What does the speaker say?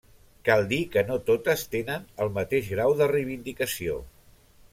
Cal dir que no totes tenen el mateix grau de reivindicació.